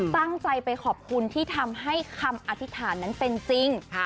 ตั้งใจไปขอบคุณที่ทำให้คำอธิษฐานนั้นเป็นจริง